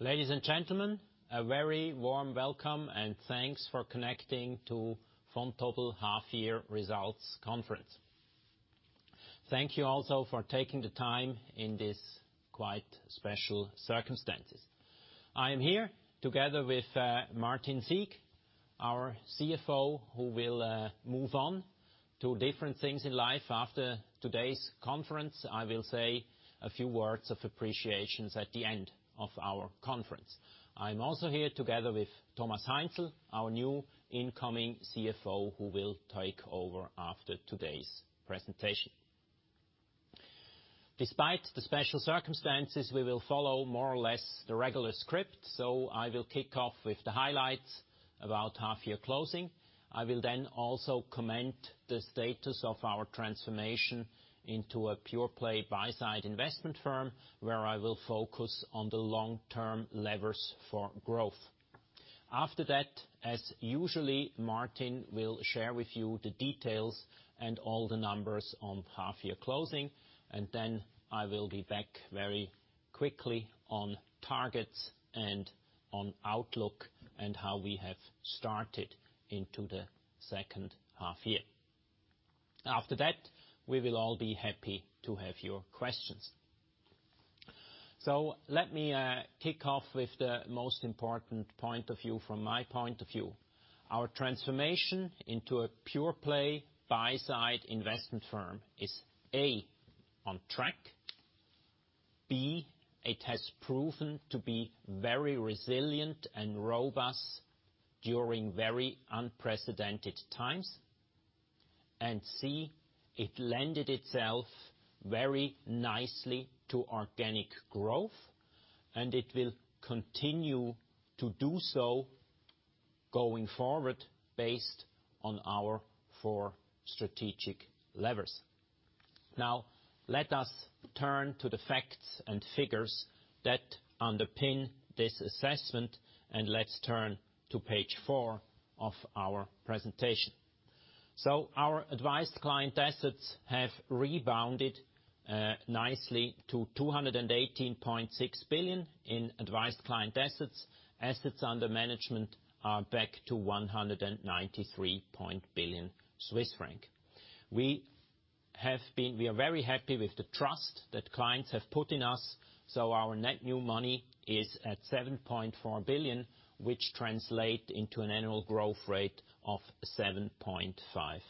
Ladies and gentlemen, a very warm welcome and thanks for connecting to Vontobel half year results conference. Thank you also for taking the time in this quite special circumstances. I am here together with Martin Sieg, our CFO, who will move on to different things in life after today's conference. I will say a few words of appreciation at the end of our conference. I'm also here together with Thomas Heinzl, our new incoming CFO, who will take over after today's presentation. Despite the special circumstances, we will follow more or less the regular script. I will kick off with the highlights about half year closing. I will then also comment the status of our transformation into a pure-play buy-side investment firm, where I will focus on the long-term levers for growth. After that, as usually, Martin will share with you the details and all the numbers on half-year closing, and then I will be back very quickly on targets and on outlook and how we have started into the second half-year. After that, we will all be happy to have your questions. Let me kick off with the most important point of view from my point of view. Our transformation into a pure-play buy-side investment firm is, A, on track. B, it has proven to be very resilient and robust during very unprecedented times. C, it lended itself very nicely to organic growth, and it will continue to do so going forward based on our four strategic levers. Let us turn to the facts and figures that underpin this assessment, let's turn to page four of our presentation. Our advised client assets have rebounded nicely to 218.6 billion in advised client assets. Assets under management are back to 193 billion Swiss franc. We are very happy with the trust that clients have put in us, so our net new money is at 7.4 billion, which translate into an annual growth rate of 7.5%,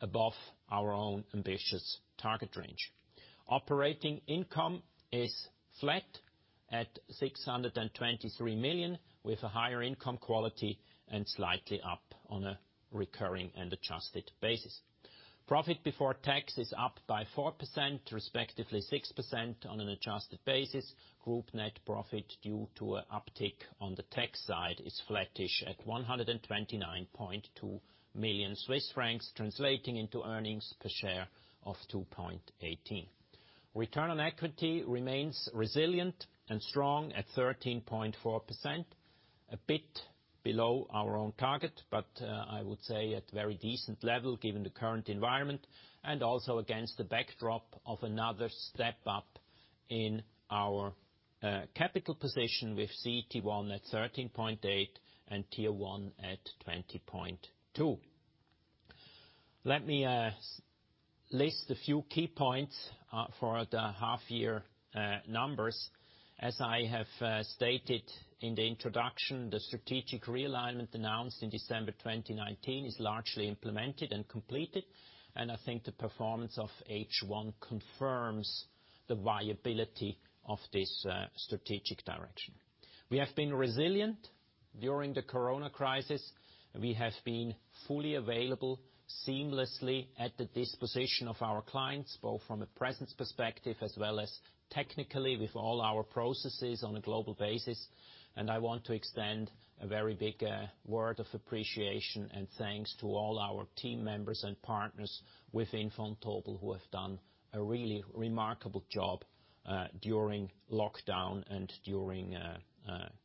above our own ambitious target range. Operating income is flat at 623 million, with a higher income quality and slightly up on a recurring and adjusted basis. Profit before tax is up by 4%, respectively 6% on an adjusted basis. Group net profit due to a uptick on the tax side is flattish at 129.2 million Swiss francs, translating into earnings per share of 2.18. Return on equity remains resilient and strong at 13.4%, a bit below our own target, but I would say at very decent level given the current environment, and also against the backdrop of another step up in our capital position with CET1 at 13.8% and Tier 1 at 20.2%. Let me list a few key points for the half year numbers. As I have stated in the introduction, the strategic realignment announced in December 2019 is largely implemented and completed, and I think the performance of H1 confirms the viability of this strategic direction. We have been resilient during the corona crisis. We have been fully available seamlessly at the disposition of our clients, both from a presence perspective as well as technically with all our processes on a global basis. I want to extend a very big word of appreciation and thanks to all our team members and partners within Vontobel, who have done a really remarkable job during lockdown and during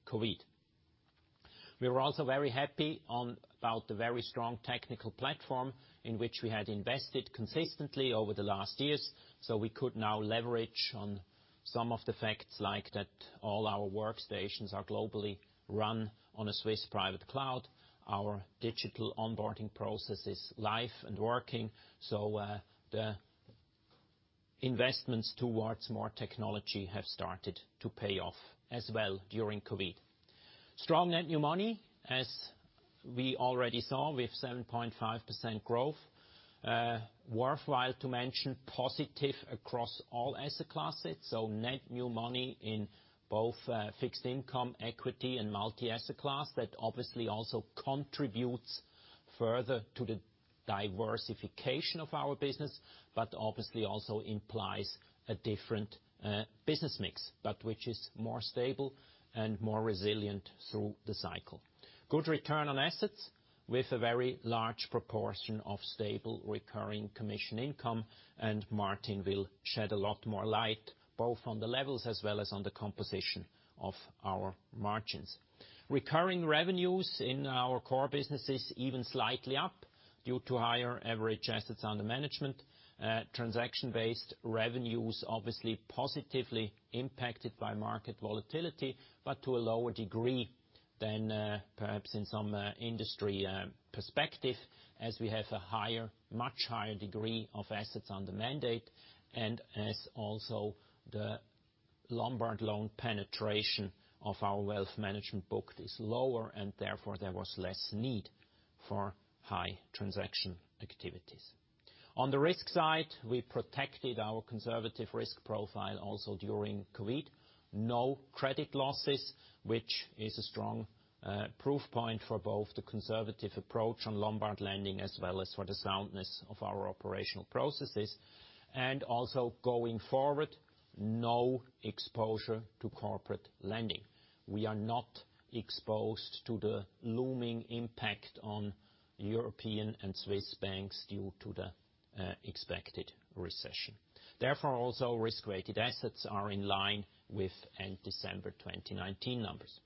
COVID. We were also very happy about the very strong technical platform in which we had invested consistently over the last years. We could now leverage on some of the facts like that all our workstations are globally run on a Swiss private cloud. Our digital onboarding process is live and working. The investments towards more technology have started to pay off as well during COVID. Strong net new money, as we already saw, with 7.5% growth. Worthwhile to mention, positive across all asset classes, so net new money in both fixed income, equity, and multi-asset class. That obviously also contributes further to the diversification of our business, but obviously also implies a different business mix, but which is more stable and more resilient through the cycle. Good return on assets with a very large proportion of stable recurring commission income, and Martin will shed a lot more light, both on the levels as well as on the composition of our margins. Recurring revenues in our core business is even slightly up due to higher average assets under management, transaction-based revenues obviously positively impacted by market volatility, but to a lower degree than perhaps in some industry perspective, as we have a much higher degree of assets under mandate, and as also the Lombard loan penetration of our wealth management book is lower and therefore there was less need for high transaction activities. On the risk side, we protected our conservative risk profile also during COVID. No credit losses, which is a strong proof point for both the conservative approach on Lombard lending as well as for the soundness of our operational processes, and also going forward, no exposure to corporate lending. We are not exposed to the looming impact on European and Swiss banks due to the expected recession. Therefore, also risk-weighted assets are in line with end December 2019 numbers.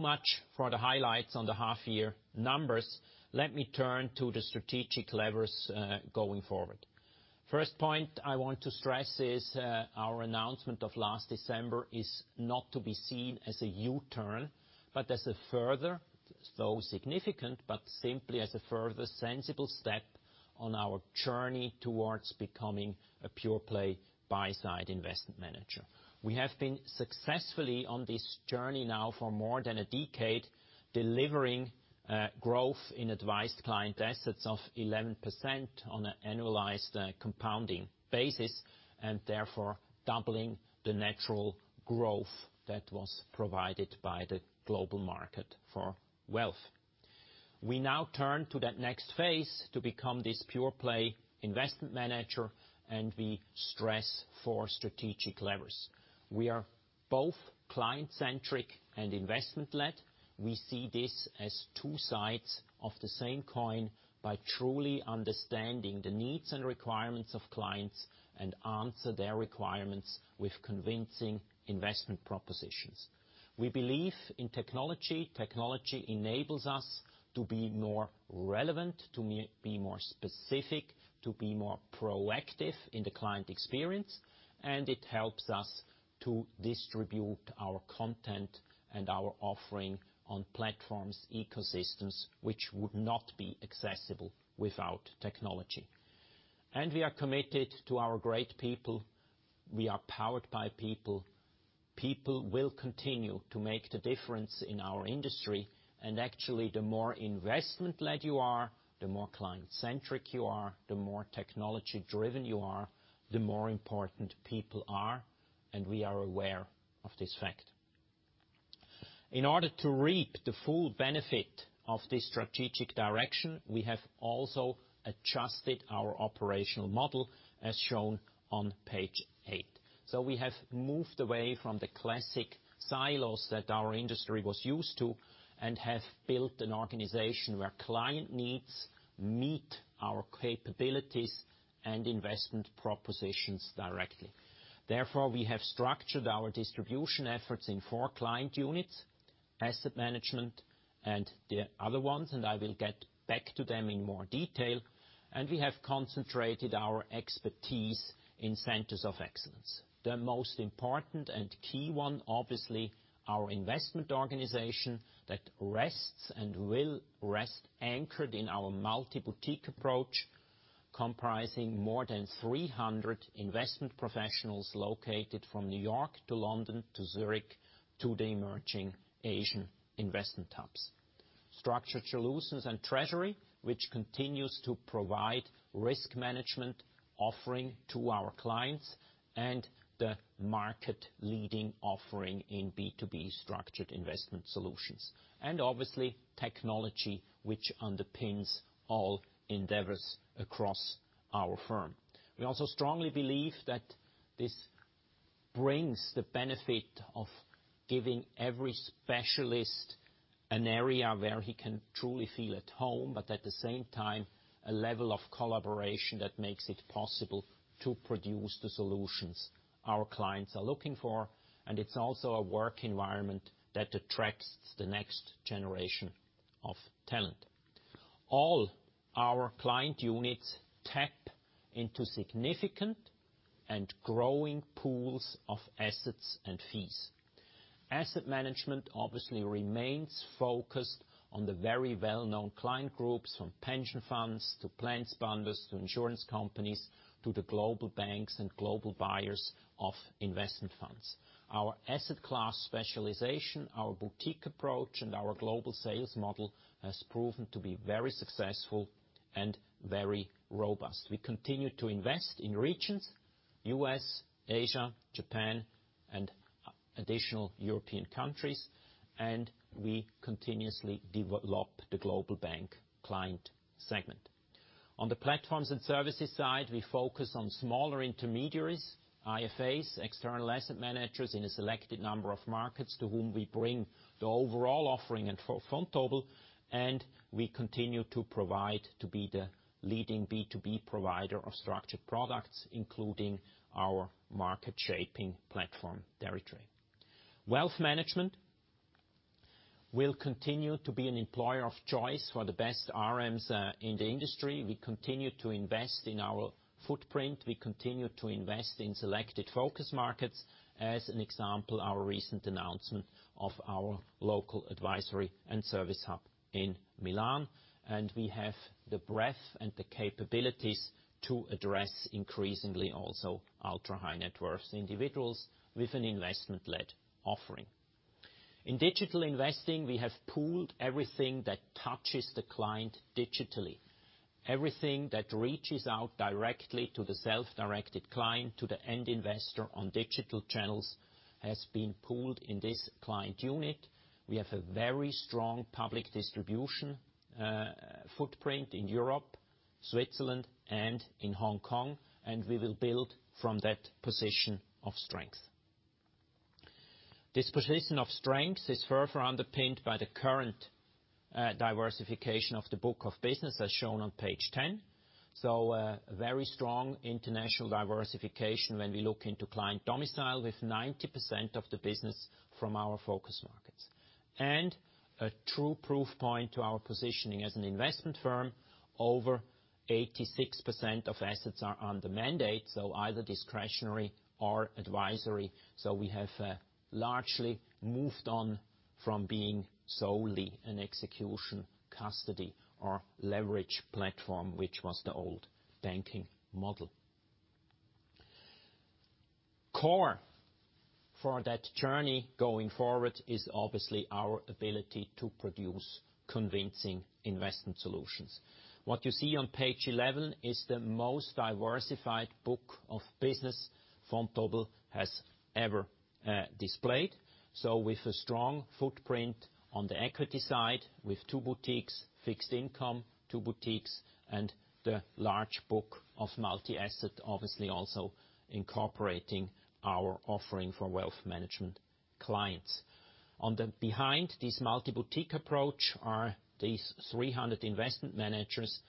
Much for the highlights on the half-year numbers. Let me turn to the strategic levers going forward. First point I want to stress is our announcement of last December is not to be seen as a U-turn, but as a further, though significant, but simply as a further sensible step on our journey towards becoming a pure-play buy-side investment manager. We have been successfully on this journey now for more than a decade, delivering growth in advised client assets of 11% on an annualized compounding basis, therefore doubling the natural growth that was provided by the global market for wealth. We now turn to that next phase to become this pure-play investment manager we stress four strategic levers. We are both client-centric and investment-led. We see this as two sides of the same coin by truly understanding the needs and requirements of clients and answer their requirements with convincing investment propositions. We believe in technology. Technology enables us to be more relevant, to be more specific, to be more proactive in the client experience, and it helps us to distribute our content and our offering on platforms, ecosystems, which would not be accessible without technology. We are committed to our great people. We are powered by people. People will continue to make the difference in our industry. Actually, the more investment-led you are, the more client-centric you are, the more technology-driven you are, the more important people are, and we are aware of this fact. In order to reap the full benefit of this strategic direction, we have also adjusted our operational model as shown on page eight. We have moved away from the classic silos that our industry was used to and have built an organization where client needs meet our capabilities and investment propositions directly. Therefore, we have structured our distribution efforts in four client units, asset management and the other ones, and I will get back to them in more detail, and we have concentrated our expertise in centers of excellence. The most important and key one, obviously, our investment organization that rests and will rest anchored in our multi-boutique approach, comprising more than 300 investment professionals located from New York to London to Zurich to the emerging Asian investment hubs. Structured Solutions and Treasury, which continues to provide risk management offering to our clients, and the market-leading offering in B2B structured investment solutions. Obviously, technology, which underpins all endeavors across our firm. We also strongly believe that this brings the benefit of giving every specialist an area where he can truly feel at home, but at the same time, a level of collaboration that makes it possible to produce the solutions our clients are looking for. It's also a work environment that attracts the next generation of talent. All our client units tap into significant and growing pools of assets and fees. Asset management obviously remains focused on the very well-known client groups, from pension funds to plans funders, to insurance companies, to the global banks and global buyers of investment funds. Our asset class specialization, our boutique approach, and our global sales model has proven to be very successful and very robust. We continue to invest in regions, US, Asia, Japan, and additional European countries, we continuously develop the global bank client segment. On the platforms and services side, we focus on smaller intermediaries, IFAs, external asset managers in a selected number of markets to whom we bring the overall offering at Vontobel. We continue to be the leading B2B provider of structured products, including our market-shaping platform, deritrade. Wealth management will continue to be an employer of choice for the best RMs in the industry. We continue to invest in our footprint. We continue to invest in selected focus markets. As an example, our recent announcement of our local advisory and service hub in Milan. We have the breadth and the capabilities to address increasingly also ultra high net worth individuals with an investment-led offering. In digital investing, we have pooled everything that touches the client digitally. Everything that reaches out directly to the self-directed client, to the end investor on digital channels, has been pooled in this client unit. We have a very strong public distribution footprint in Europe, Switzerland, and in Hong Kong, and we will build from that position of strength. This position of strength is further underpinned by the current diversification of the book of business as shown on page 10. A very strong international diversification when we look into client domicile, with 90% of the business from our focus markets. A true proof point to our positioning as an investment firm, over 86% of assets are under mandate, so either discretionary or advisory. We have largely moved on from being solely an execution custody or leverage platform, which was the old banking model. Core for that journey going forward is obviously our ability to produce convincing investment solutions. What you see on page 11 is the most diversified book of business Vontobel has ever displayed. With a strong footprint on the equity side with two boutiques, fixed income, two boutiques, and the large book of multi-asset obviously also incorporating our offering for wealth management clients. Behind this multi-boutique approach are these 300 investment managers.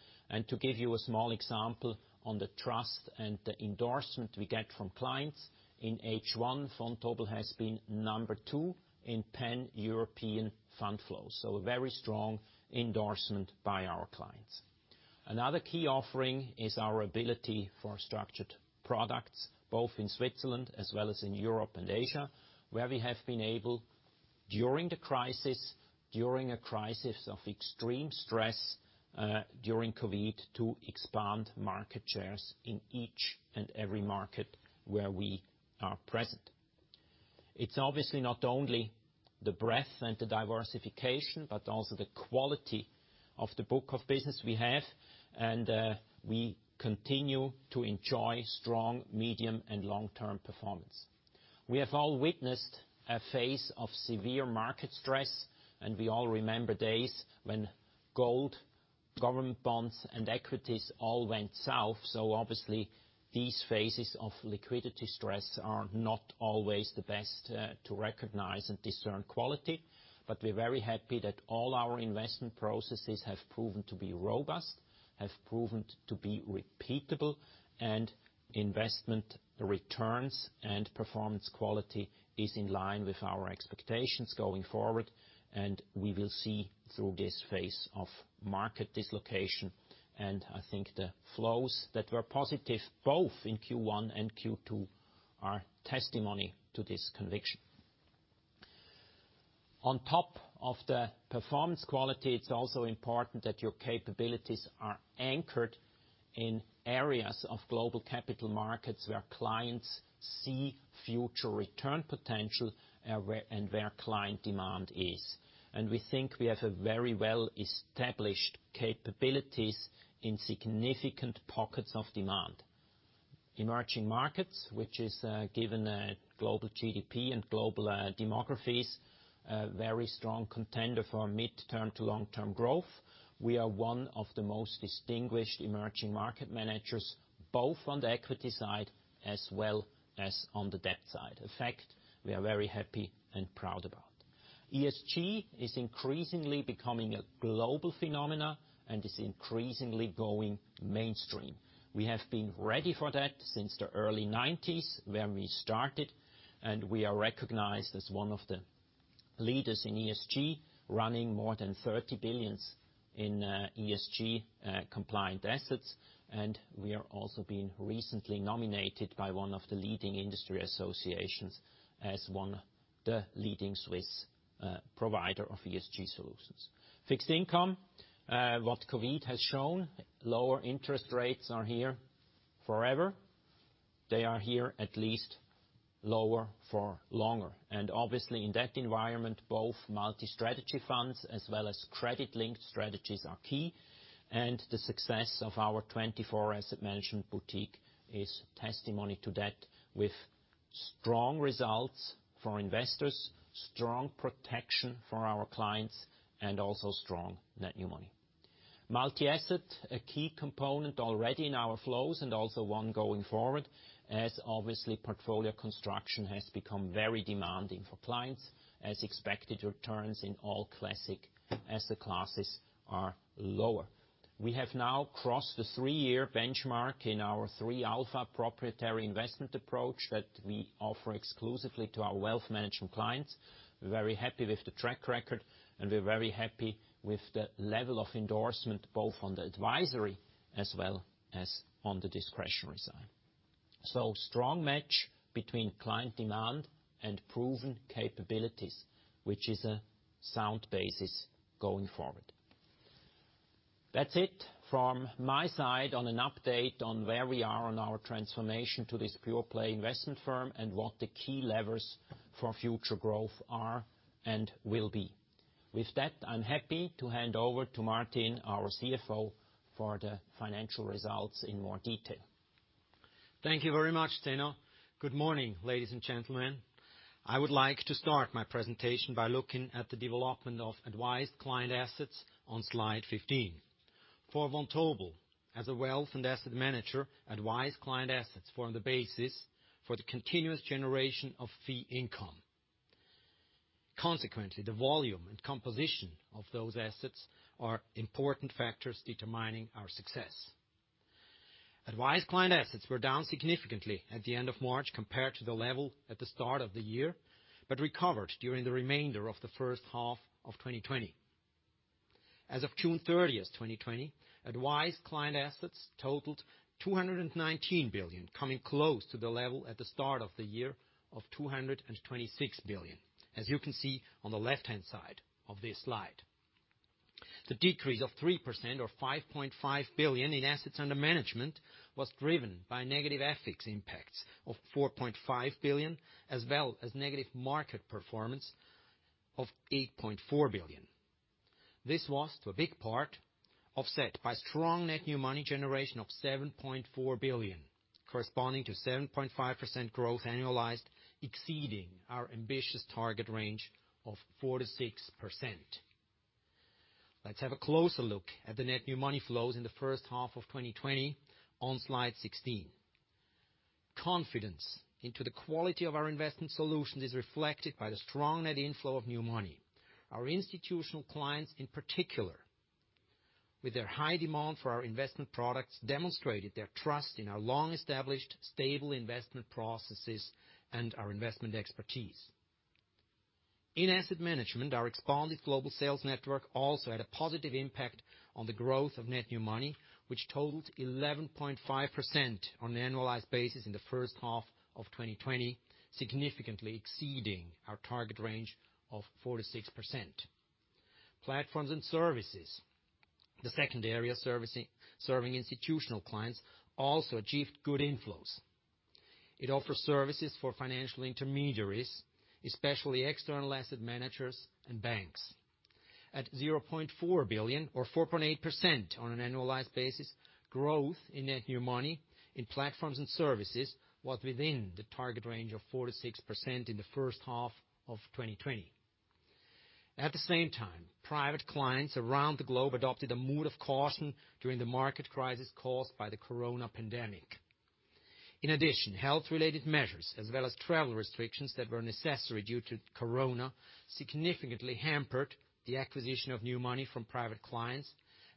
To give you a small example on the trust and the endorsement we get from clients. In H1, Vontobel has been number two in pan-European fund flows. A very strong endorsement by our clients. Another key offering is our ability for structured products, both in Switzerland as well as in Europe and Asia, where we have been able, during the crisis, during a crisis of extreme stress, during COVID, to expand market shares in each and every market where we are present. It's obviously not only the breadth and the diversification, but also the quality of the book of business we have. We continue to enjoy strong medium and long-term performance. We have all witnessed a phase of severe market stress, and we all remember days when gold, government bonds, and equities all went south. Obviously these phases of liquidity stress are not always the best to recognize and discern quality. We're very happy that all our investment processes have proven to be robust, have proven to be repeatable, and investment returns and performance quality is in line with our expectations going forward. We will see through this phase of market dislocation. I think the flows that were positive both in Q1 and Q2 are testimony to this conviction. On top of the performance quality, it's also important that your capabilities are anchored in areas of global capital markets where clients see future return potential and where client demand is. We think we have a very well established capabilities in significant pockets of demand. Emerging markets, which is given global GDP and global demographics, a very strong contender for mid-term to long-term growth. We are one of the most distinguished emerging market managers, both on the equity side as well as on the debt side. A fact we are very happy and proud about. ESG is increasingly becoming a global phenomenon and is increasingly going mainstream. We have been ready for that since the early 1990s when we started, we are recognized as one of the leaders in ESG, running more than 30 billion in ESG-compliant assets. We are also being recently nominated by one of the leading industry associations as one of the leading Swiss provider of ESG solutions. Fixed income, what COVID has shown, lower interest rates are here forever. They are here at least lower for longer. Obviously in that environment, both multi-strategy funds as well as credit-linked strategies are key. The success of our TwentyFour Asset Management boutique is testimony to that, with strong results for investors, strong protection for our clients, and also strong net new money. Multi-asset, a key component already in our flows and also one going forward, as obviously portfolio construction has become very demanding for clients. As expected, returns in all classic asset classes are lower. We have now crossed the three-year benchmark in our 3α proprietary investment approach that we offer exclusively to our wealth management clients. We're very happy with the track record, and we're very happy with the level of endorsement, both on the advisory as well as on the discretionary side. Strong match between client demand and proven capabilities, which is a sound basis going forward. That's it from my side on an update on where we are on our transformation to this pure-play investment firm, and what the key levers for future growth are and will be. With that, I'm happy to hand over to Martin, our CFO, for the financial results in more detail. Thank you very much, Zeno. Good morning, ladies and gentlemen. I would like to start my presentation by looking at the development of advised client assets on slide 15. For Vontobel, as a wealth and asset manager, advised client assets form the basis for the continuous generation of fee income. Consequently, the volume and composition of those assets are important factors determining our success. Advised client assets were down significantly at the end of March compared to the level at the start of the year, but recovered during the remainder of the first half of 2020. As of June 30th, 2020, advised client assets totaled 219 billion, coming close to the level at the start of the year of 226 billion, as you can see on the left-hand side of this slide. The decrease of 3% or 5.5 billion in assets under management was driven by negative FX impacts of 4.5 billion, as well as negative market performance of 8.4 billion. This was to a big part offset by strong net new money generation of 7.4 billion, corresponding to 7.5% growth annualized, exceeding our ambitious target range of 4% to 6%. Let's have a closer look at the net new money flows in the first half of 2020 on slide 16. Confidence into the quality of our investment solutions is reflected by the strong net inflow of new money. Our institutional clients in particular, with their high demand for our investment products, demonstrated their trust in our long-established, stable investment processes and our investment expertise. In Asset Management, our expanded global sales network also had a positive impact on the growth of net new money, which totaled 11.5% on an annualized basis in the first half of 2020, significantly exceeding our target range of 4%-6%. Platforms and Services, the second area serving institutional clients, also achieved good inflows. It offers services for financial intermediaries, especially external asset managers and banks. At 0.4 billion or 4.8% on an annualized basis, growth in net new money in Platforms and Services was within the target range of 4%-6% in the first half of 2020. At the same time, private clients around the globe adopted a mood of caution during the market crisis caused by the coronavirus pandemic. In addition, health-related measures as well as travel restrictions that were necessary due to coronavirus significantly hampered the acquisition of new money from private clients,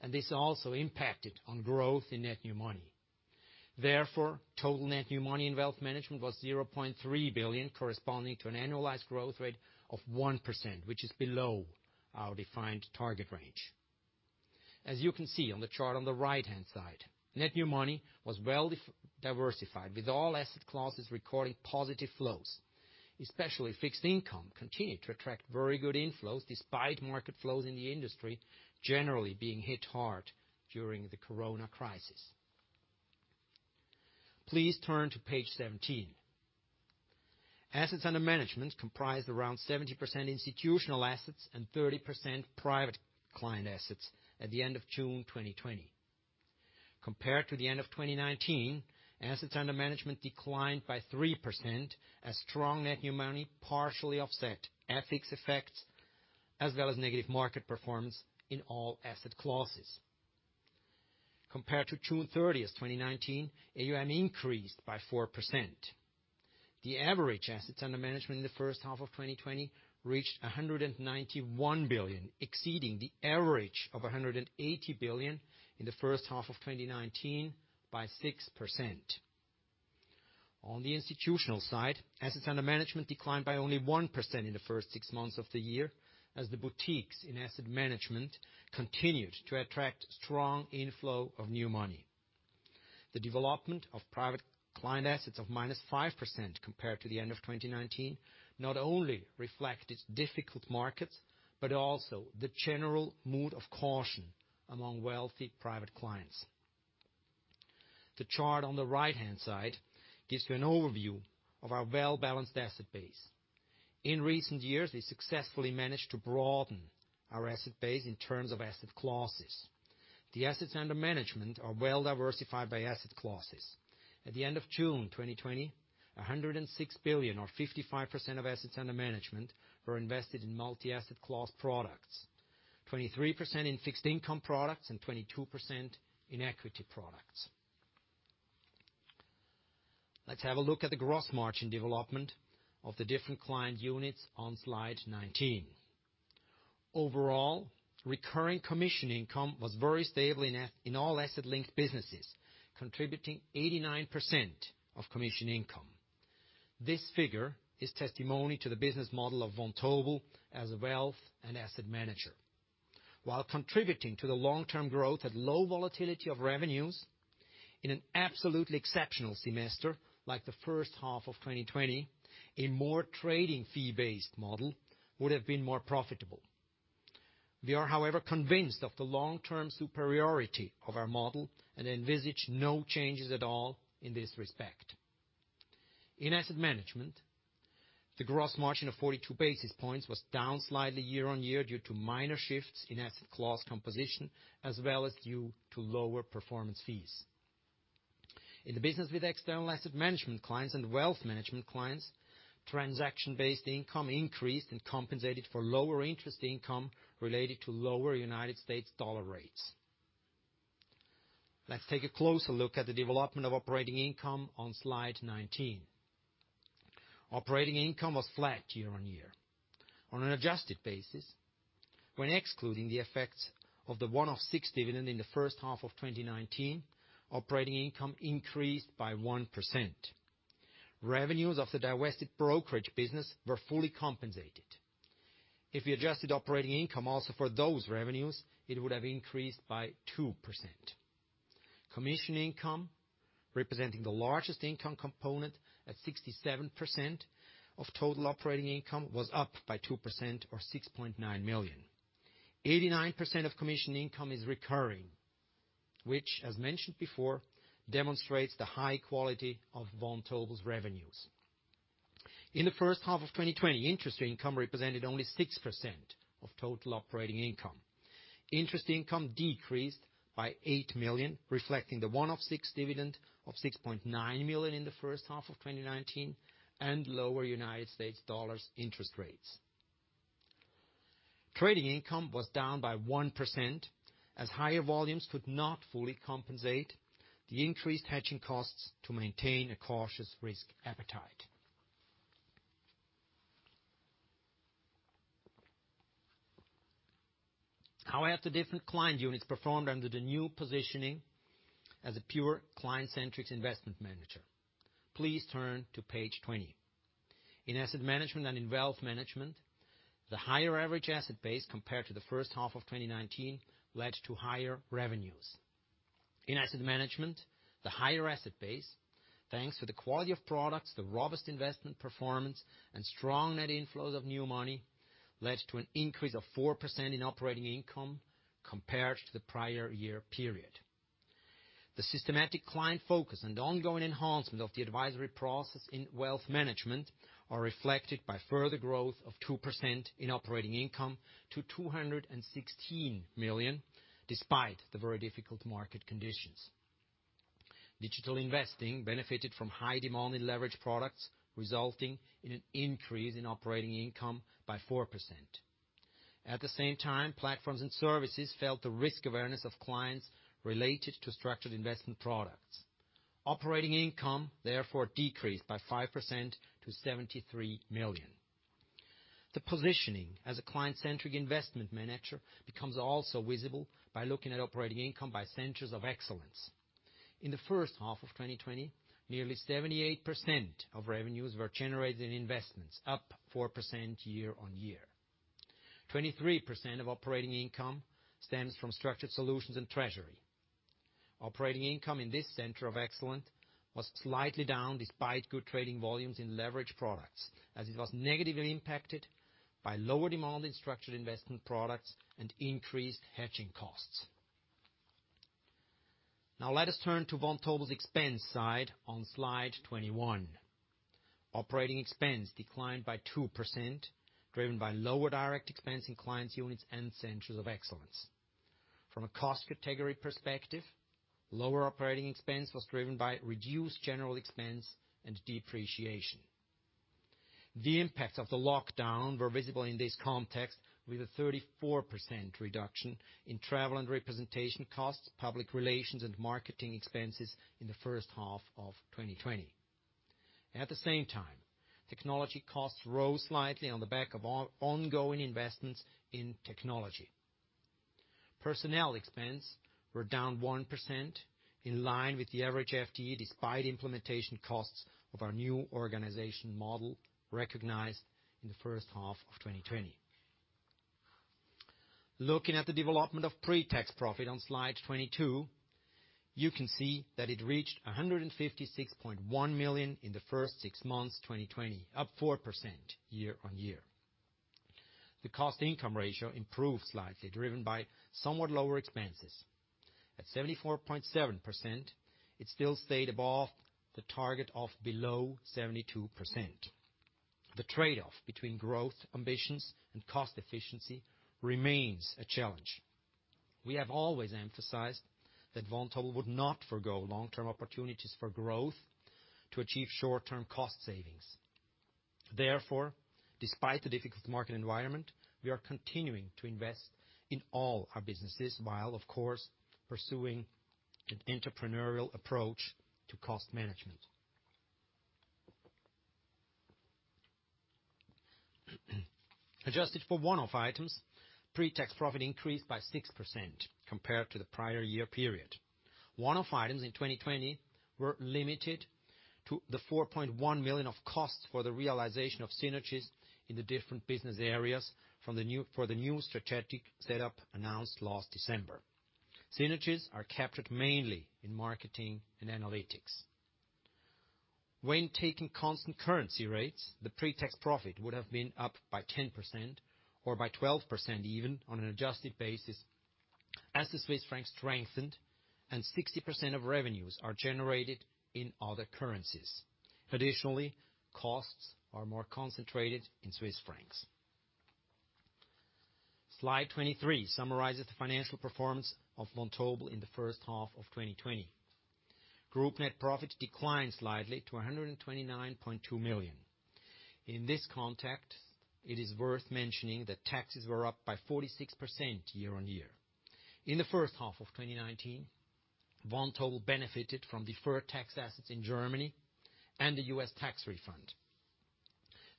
and this also impacted on growth in net new money. Therefore, total net new money in wealth management was 0.3 billion, corresponding to an annualized growth rate of 1%, which is below our defined target range. As you can see on the chart on the right-hand side, net new money was well-diversified, with all asset classes recording positive flows. Especially fixed income continued to attract very good inflows, despite market flows in the industry generally being hit hard during the coronavirus crisis. Please turn to page 17. Assets under management comprised around 70% institutional assets and 30% private client assets at the end of June 2020. Compared to the end of 2019, assets under management declined by 3%, as strong net new money partially offset FX effects as well as negative market performance in all asset classes. Compared to June 30th, 2019, AUM increased by 4%. The average assets under management in the first half of 2020 reached 191 billion, exceeding the average of 180 billion in the first half of 2019 by 6%. On the institutional side, assets under management declined by only 1% in the first six months of the year, as the boutiques in asset management continued to attract strong inflow of new money. The development of private client assets of -5% compared to the end of 2019 not only reflect these difficult markets, but also the general mood of caution among wealthy private clients. The chart on the right-hand side gives you an overview of our well-balanced asset base. In recent years, we successfully managed to broaden our asset base in terms of asset classes. The assets under management are well-diversified by asset classes. At the end of June 2020, 106 billion or 55% of assets under management were invested in multi-asset class products, 23% in fixed income products, and 22% in equity products. Let's have a look at the gross margin development of the different client units on slide 19. Overall, recurring commission income was very stable in all asset-linked businesses, contributing 89% of commission income. This figure is testimony to the business model of Vontobel as a wealth and asset manager. While contributing to the long-term growth at low volatility of revenues, in an absolutely exceptional semester like the first half of 2020, a more trading fee-based model would have been more profitable. We are, however, convinced of the long-term superiority of our model and envisage no changes at all in this respect. In asset management, the gross margin of 42 basis points was down slightly year-on-year due to minor shifts in asset class composition, as well as due to lower performance fees. In the business with external asset management clients and wealth management clients, transaction-based income increased and compensated for lower interest income related to lower United States dollar rates. Let's take a closer look at the development of operating income on slide 19. Operating income was flat year-on-year. On an adjusted basis, when excluding the effects of the one-off dividend in the first half of 2019, operating income increased by 1%. Revenues of the divested brokerage business were fully compensated. If we adjusted operating income also for those revenues, it would have increased by 2%. Commission income, representing the largest income component at 67% of total operating income, was up by 2% or 6.9 million. 89% of commission income is recurring, which, as mentioned before, demonstrates the high quality of Vontobel's revenues. In the first half of 2020, interest income represented only 6% of total operating income. Interest income decreased by 8 million, reflecting the one-off dividend of 6.9 million in the first half of 2019 and lower United States dollars interest rates. Trading income was down by 1%, as higher volumes could not fully compensate the increased hedging costs to maintain a cautious risk appetite. How have the different client units performed under the new positioning as a pure client-centric investment manager? Please turn to page 20. In asset management and in wealth management, the higher average asset base compared to the first half of 2019 led to higher revenues. In asset management, the higher asset base, thanks to the quality of products, the robust investment performance, and strong net inflows of new money, led to an increase of 4% in operating income compared to the prior year period. The systematic client focus and ongoing enhancement of the advisory process in wealth management are reflected by further growth of 2% in operating income to 216 million, despite the very difficult market conditions. Digital investing benefited from high demand in leverage products, resulting in an increase in operating income by 4%. Platforms and services felt the risk awareness of clients related to structured investment products. Operating income, therefore, decreased by 5% to 73 million. The positioning as a client-centric investment manager becomes also visible by looking at operating income by centers of excellence. In the first half of 2020, nearly 78% of revenues were generated in investments, up 4% year-on-year. 23% of operating income stems from Structured Solutions and Treasury. Operating income in this center of excellence was slightly down despite good trading volumes in leverage products, as it was negatively impacted by lower demand in structured investment products and increased hedging costs. Let us turn to Vontobel's expense side on slide 21. Operating expense declined by 2%, driven by lower direct expense in clients units and centers of excellence. From a cost category perspective, lower operating expense was driven by reduced general expense and depreciation. The impacts of the lockdown were visible in this context with a 34% reduction in travel and representation costs, public relations, and marketing expenses in the first half of 2020. At the same time, technology costs rose slightly on the back of ongoing investments in technology. Personnel expense were down 1%, in line with the average FTE, despite implementation costs of our new organization model recognized in the first half of 2020. Looking at the development of pre-tax profit on slide 22, you can see that it reached 156.1 million in the first six months, 2020, up 4% year-on-year. The cost income ratio improved slightly, driven by somewhat lower expenses. At 74.7%, it still stayed above the target of below 72%. The trade-off between growth ambitions and cost efficiency remains a challenge. We have always emphasized that Vontobel would not forgo long-term opportunities for growth to achieve short-term cost savings. Therefore, despite the difficult market environment, we are continuing to invest in all our businesses while, of course, pursuing an entrepreneurial approach to cost management. Adjusted for one-off items, pre-tax profit increased by 6% compared to the prior year period. One-off items in 2020 were limited to the 4.1 million of costs for the realization of synergies in the different business areas for the new strategic setup announced last December. Synergies are captured mainly in marketing and analytics. When taking constant currency rates, the pre-tax profit would have been up by 10%, or by 12% even, on an adjusted basis, as the Swiss franc strengthened and 60% of revenues are generated in other currencies. Additionally, costs are more concentrated in Swiss francs. Slide 23 summarizes the financial performance of Vontobel in the first half of 2020. Group net profit declined slightly to 129.2 million. In this context, it is worth mentioning that taxes were up by 46% year-on-year. In the first half of 2019, Vontobel benefited from deferred tax assets in Germany and the U.S. tax refund.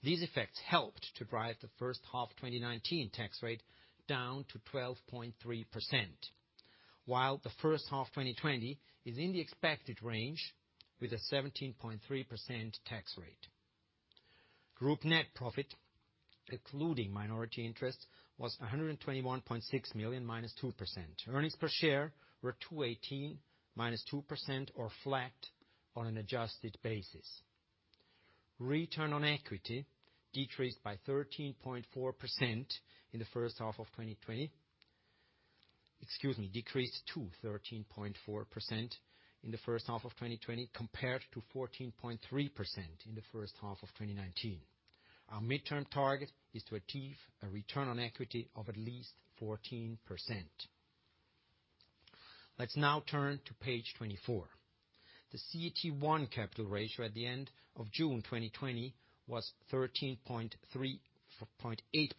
These effects helped to drive the first half 2019 tax rate down to 12.3%, while the first half 2020 is in the expected range with a 17.3% tax rate. Group net profit, including minority interests, was 121.6 million, -2%. Earnings per share were 2.18, -2%, or flat on an adjusted basis. Return on equity decreased by 13.4% in the first half of 2020. Excuse me, decreased to 13.4% in the first half of 2020, compared to 14.3% in the first half of 2019. Our midterm target is to achieve a return on equity of at least 14%. Let's now turn to page 24. The CET1 capital ratio at the end of June 2020 was 13.8%,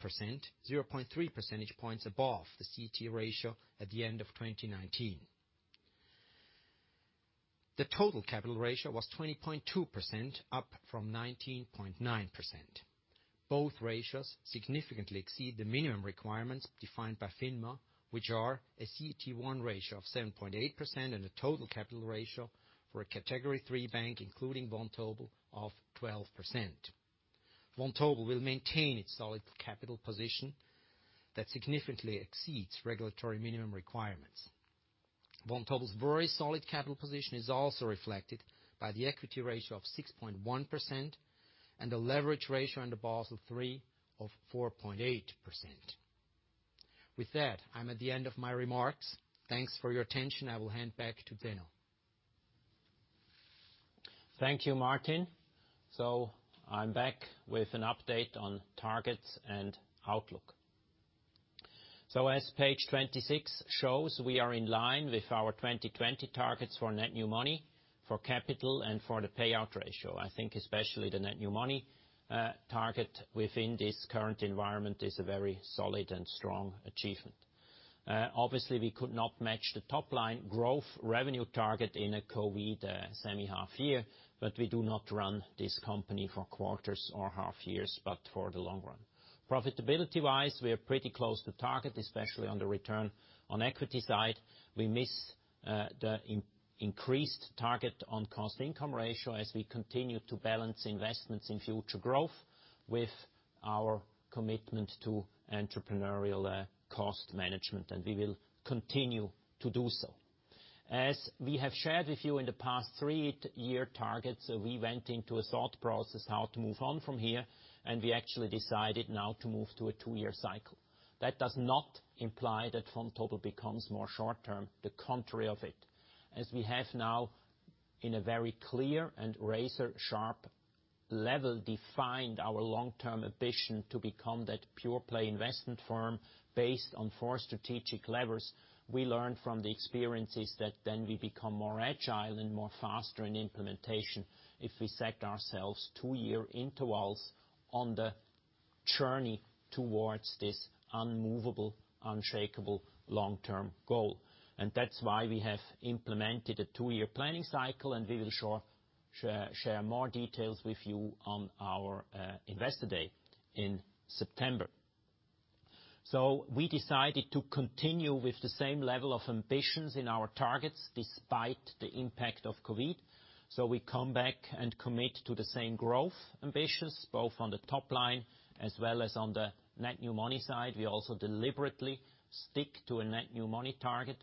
0.3 percentage points above the CET1 ratio at the end of 2019. The total capital ratio was 20.2%, up from 19.9%. Both ratios significantly exceed the minimum requirements defined by FINMA, which are a CET1 ratio of 7.8% and a total capital ratio for a Category 3 bank, including Vontobel, of 12%. Vontobel will maintain its solid capital position that significantly exceeds regulatory minimum requirements. Vontobel's very solid capital position is also reflected by the equity ratio of 6.1% and the leverage ratio under Basel III of 4.8%. With that, I'm at the end of my remarks. Thanks for your attention. I will hand back to Zeno. Thank you, Martin. I'm back with an update on targets and outlook. As page 26 shows, we are in line with our 2020 targets for net new money, for capital, and for the payout ratio. I think especially the net new money target within this current environment is a very solid and strong achievement. Obviously, we could not match the top-line growth revenue target in a COVID semi-half year, we do not run this company for quarters or half years, but for the long run. Profitability-wise, we are pretty close to target, especially on the return on equity side. We miss the increased target on cost-income ratio as we continue to balance investments in future growth with our commitment to entrepreneurial cost management, we will continue to do so. As we have shared with you in the past three-year targets, we went into a thought process how to move on from here. We actually decided now to move to a two-year cycle. That does not imply that Vontobel becomes more short term, the contrary of it. As we have now in a very clear and razor-sharp level defined our long-term ambition to become that pure-play investment firm based on four strategic levers, we learned from the experiences that then we become more agile and more faster in implementation if we set ourselves two-year intervals on the journey towards this unmovable, unshakable long-term goal. That's why we have implemented a two-year planning cycle. We will share more details with you on our Investor Day in September. We decided to continue with the same level of ambitions in our targets despite the impact of COVID. We come back and commit to the same growth ambitions, both on the top line as well as on the net new money side. We also deliberately stick to a net new money target,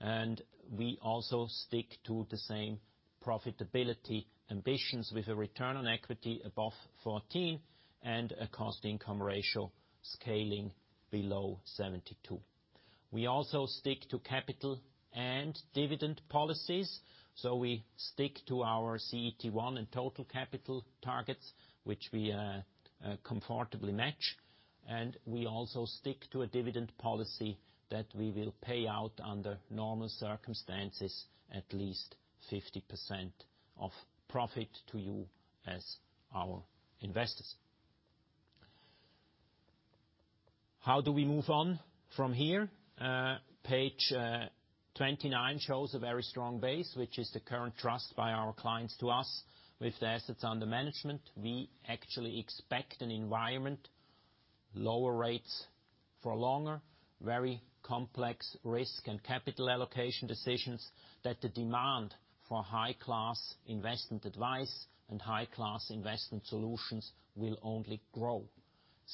and we also stick to the same profitability ambitions with a return on equity above 14% and a cost-income ratio scaling below 72%. We also stick to capital and dividend policies. We stick to our CET1 and total capital targets, which we comfortably match. We also stick to a dividend policy that we will pay out under normal circumstances, at least 50% of profit to you as our investors. How do we move on from here? Page 29 shows a very strong base, which is the current trust by our clients to us with the assets under management. We actually expect an environment, lower rates for longer, very complex risk and capital allocation decisions, that the demand for high-class investment advice and high-class investment solutions will only grow.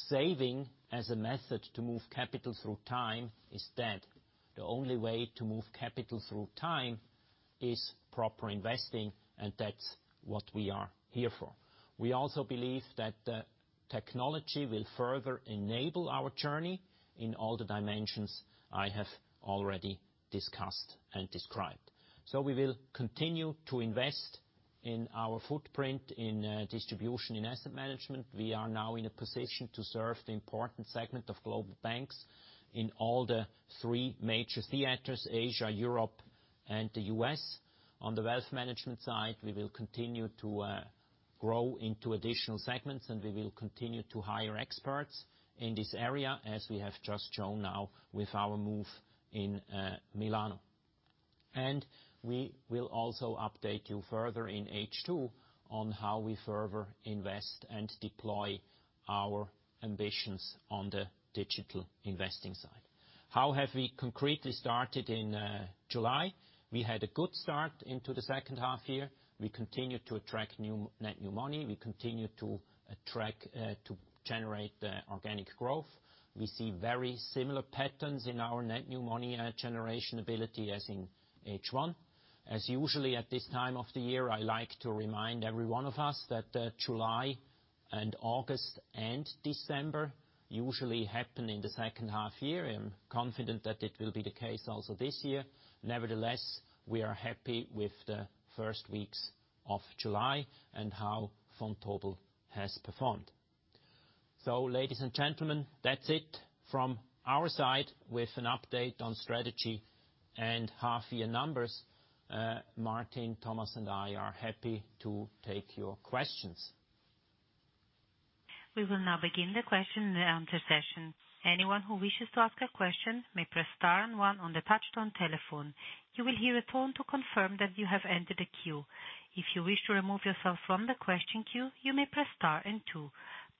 Saving as a method to move capital through time is dead. The only way to move capital through time is proper investing, and that's what we are here for. We also believe that the technology will further enable our journey in all the dimensions I have already discussed and described. We will continue to invest in our footprint in distribution and asset management. We are now in a position to serve the important segment of global banks in all the three major theaters, Asia, Europe, and the U.S. On the wealth management side, we will continue to grow into additional segments, and we will continue to hire experts in this area, as we have just shown now with our move in Milan. We will also update you further in H2 on how we further invest and deploy our ambitions on the digital investing side. How have we concretely started in July? We had a good start into the second half here. We continued to attract net new money. We continued to generate organic growth. We see very similar patterns in our net new money generation ability as in H1. As usually at this time of the year, I like to remind every one of us that July and August and December usually happen in the second half year. I'm confident that it will be the case also this year. Nevertheless, we are happy with the first weeks of July and how Vontobel has performed. Ladies and gentlemen, that's it from our side with an update on strategy and half-year numbers. Martin, Thomas, and I are happy to take your questions. We will now begin the question and answer session. Anyone who wishes to ask a question may press star and one on the touch-tone telephone. You will hear a tone to confirm that you have entered the queue. If you wish to remove yourself from the question queue, you may press star and two.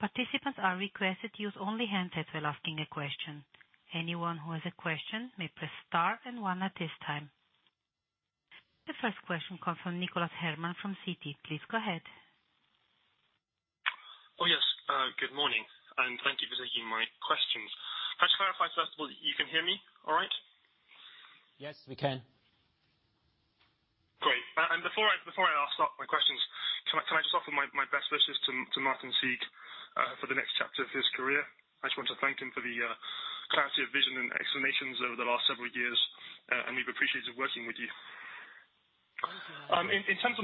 Participants are requested use only handhelds while asking a question. Anyone who has a question may press star and one at this time. The first question comes from Nicholas Herman from Citi. Please go ahead. Oh, yes. Good morning, and thank you for taking my questions. Just to clarify, first of all, you can hear me all right? Yes, we can. Great. Before I start my questions, can I just offer my best wishes to Martin Sieg for the next chapter of his career? I just want to thank him for the clarity of vision and explanations over the last several years. We've appreciated working with you. In terms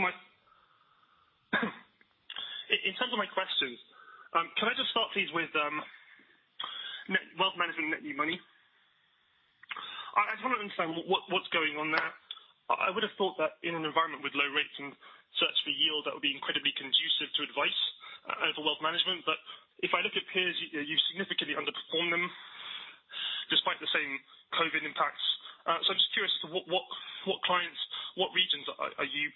of my questions, can I just start please with wealth management net new money? I just want to understand what's going on there. I would have thought that in an environment with low rates and search for yield, that would be incredibly conducive to advice over wealth management. If I look at peers, you significantly underperform them despite the same COVID impacts. I'm just curious as to what clients, what regions are you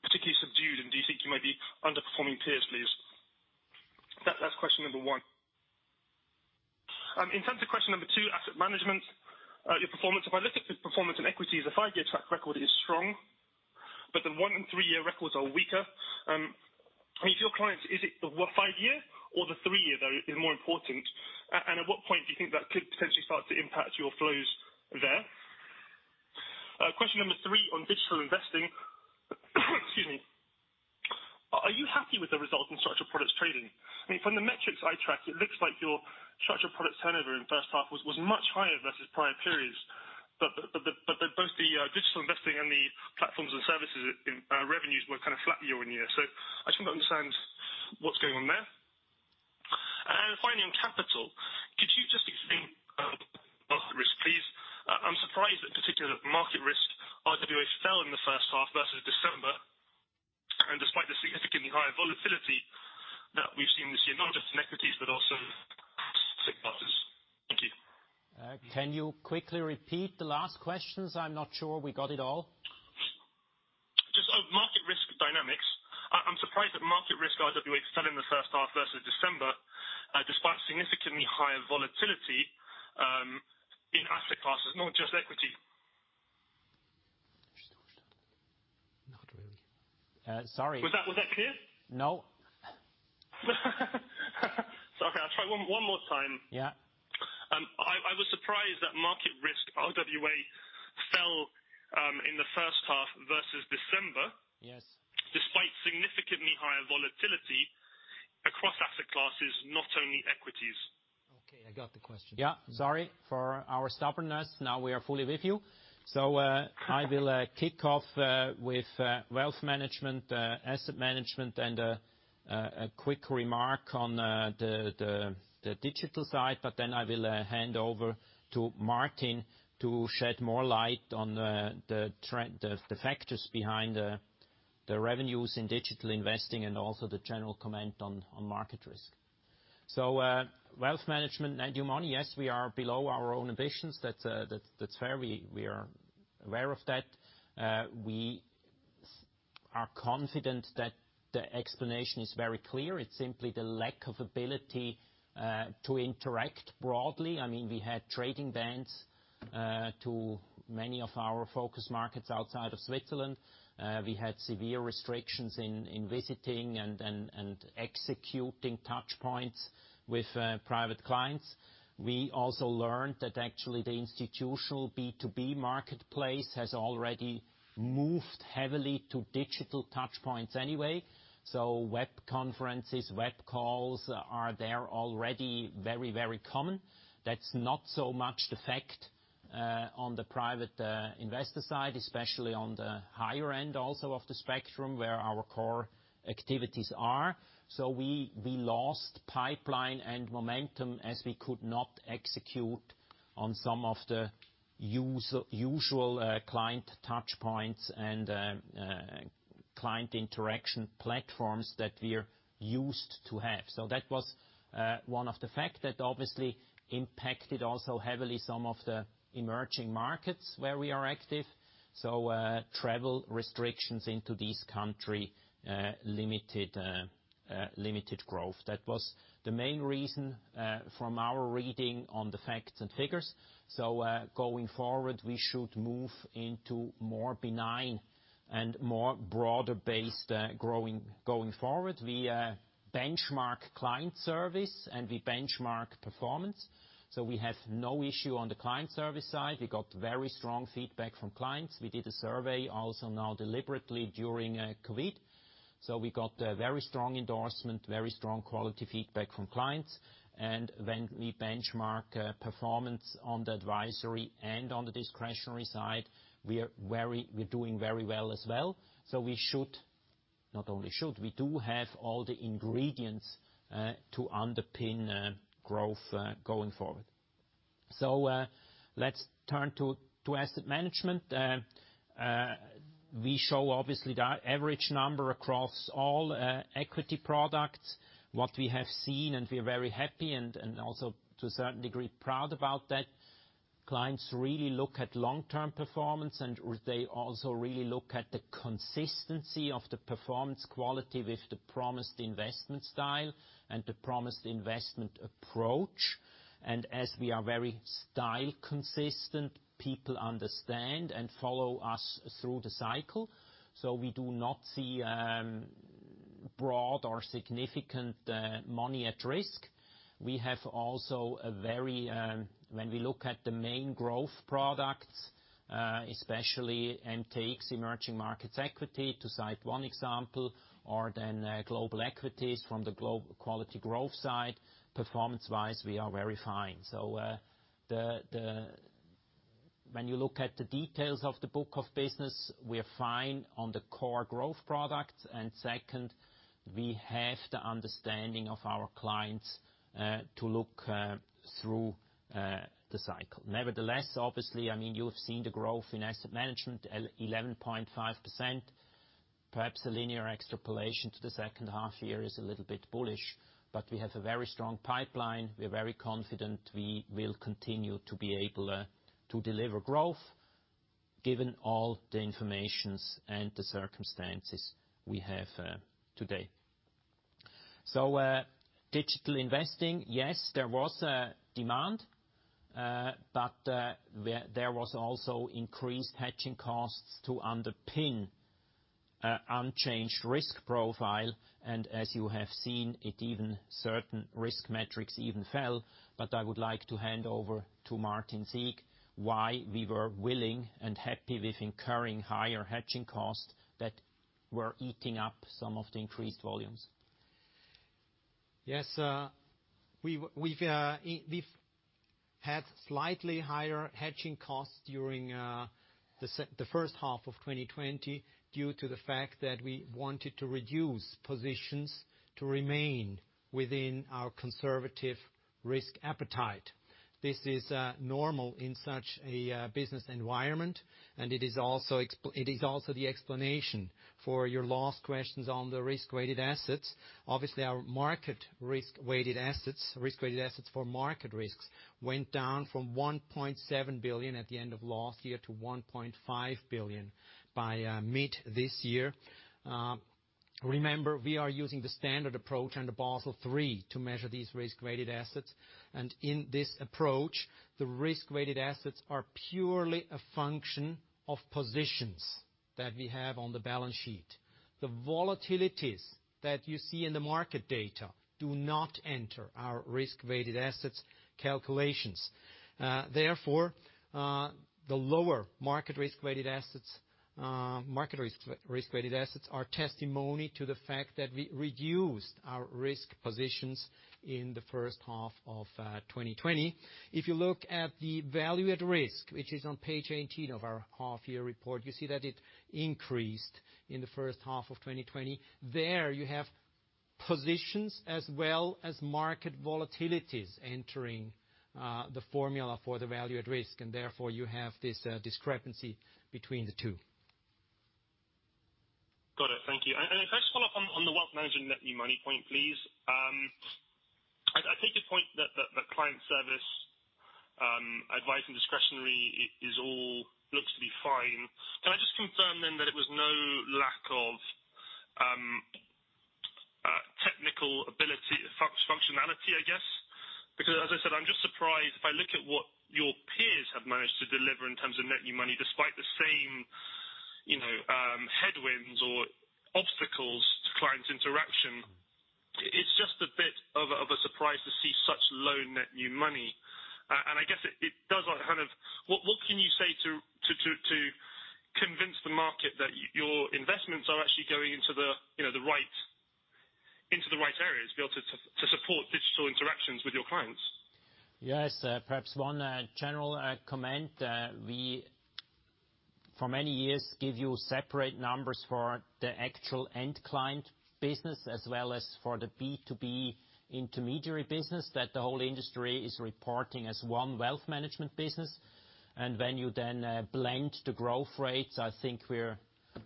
particularly subdued in? Do you think you might be underperforming peers, please? That's question number one. In terms of question number two, asset management, your performance. If I look at the performance in equities, the five-year track record is strong, but the one and three-year records are weaker. If your clients, is it the five year or the three year that is more important? At what point do you think that could potentially start to impact your flows there? Question number three on digital investing. Excuse me. Are you happy with the result in structured products trading? From the metrics I tracked, it looks like your structured products turnover in the first half was much higher versus prior periods, but both the digital investing and the platforms and services revenues were kind of flat year-over-year. I just want to understand what's going on there. Finally, on capital, could you just explain market risk, please? I'm surprised that particularly that market risk RWA fell in the first half versus December, despite the significantly higher volatility that we've seen this year, not just in equities but also asset classes. Thank you. Can you quickly repeat the last questions? I'm not sure we got it all. Just on market risk dynamics. I'm surprised that market risk RWA fell in the first half versus December, despite significantly higher volatility, in asset classes, not just equity. Not really. Sorry. Was that clear? No. Okay, I'll try one more time. Yeah. I was surprised that market risk RWA fell in the first half versus December- Yes -despite significantly higher volatility across asset classes, not only equities. Okay, I got the question. Yeah, sorry for our stubbornness. Now we are fully with you. I will kick off with wealth management, asset management and a quick remark on the digital side. I will hand over to Martin to shed more light on the factors behind the revenues in digital investing, and also the general comment on market risk. Wealth management net new money, yes, we are below our own ambitions. That's fair. We are aware of that. We are confident that the explanation is very clear. It's simply the lack of ability to interact broadly. We had trading bans to many of our focus markets outside of Switzerland. We had severe restrictions in visiting and executing touch points with private clients. We also learned that actually the institutional B2B marketplace has already moved heavily to digital touchpoints anyway. Web conferences, web calls are there already very common. That's not so much the fact on the private investor side, especially on the higher end also of the spectrum where our core activities are. We lost pipeline and momentum as we could not execute on some of the usual client touchpoints and client interaction platforms that we're used to have. That was one of the fact that obviously impacted also heavily some of the emerging markets where we are active. Travel restrictions into this country limited growth. That was the main reason from our reading on the facts and figures. Going forward, we should move into more benign and more broader-based growing going forward. We benchmark client service, and we benchmark performance. We have no issue on the client service side. We got very strong feedback from clients. We did a survey also now deliberately during COVID. We got very strong endorsement, very strong quality feedback from clients. When we benchmark performance on the advisory and on the discretionary side, we're doing very well as well. We should, not only should, we do have all the ingredients to underpin growth going forward. Let's turn to asset management. We show obviously the average number across all equity products, what we have seen, we are very happy and also to a certain degree, proud about that. Clients really look at long-term performance, they also really look at the consistency of the performance quality with the promised investment style and the promised investment approach. As we are very style-consistent, people understand and follow us through the cycle. We do not see broad or significant money at risk. When we look at the main growth products, especially mtx Emerging Markets equity, to cite one example, or then global equities from the quality growth side, performance-wise, we are very fine. When you look at the details of the book of business, we're fine on the core growth products. Second, we have the understanding of our clients to look through the cycle. Nevertheless, obviously, you have seen the growth in asset management, 11.5%. Perhaps a linear extrapolation to the second half year is a little bit bullish. We have a very strong pipeline. We're very confident we will continue to be able to deliver growth given all the information and the circumstances we have today. Digital investing, yes, there was a demand, but there was also increased hedging costs to underpin unchanged risk profile. As you have seen, certain risk metrics even fell. I would like to hand over to Martin Sieg, why we were willing and happy with incurring higher hedging costs that were eating up some of the increased volumes. Yes. We've had slightly higher hedging costs during the first half of 2020 due to the fact that we wanted to reduce positions to remain within our conservative risk appetite. This is normal in such a business environment, and it is also the explanation for your last questions on the risk-weighted assets. Obviously, our market risk-weighted assets, risk-weighted assets for market risks went down from 1.7 billion at the end of last year to 1.5 billion by mid this year. Remember, we are using the standard approach under Basel III to measure these risk-weighted assets. In this approach, the risk-weighted assets are purely a function of positions that we have on the balance sheet. The volatilities that you see in the market data do not enter our risk-weighted assets calculations. Therefore, the lower market risk-weighted assets are testimony to the fact that we reduced our risk positions in the first half of 2020. If you look at the value at risk, which is on page 18 of our half-year report, you see that it increased in the first half of 2020. There you have positions as well as market volatilities entering the formula for the value at risk, and therefore you have this discrepancy between the two. Got it. Thank you. If I just follow up on the wealth management net new money point, please. I take your point that the client service advice and discretionary looks to be fine. Can I just confirm then that it was no lack of technical ability, functionality, I guess? As I said, I'm just surprised if I look at what your peers have managed to deliver in terms of net new money despite the same headwinds or obstacles to client interaction. It's just a bit of a surprise to see such low net new money. I guess it does. What can you say to convince the market that your investments are actually going into the right areas built to support digital interactions with your clients? Yes. Perhaps one general comment. We, for many years, give you separate numbers for the actual end client business as well as for the B2B intermediary business that the whole industry is reporting as one wealth management business. When you then blend the growth rates, I think we're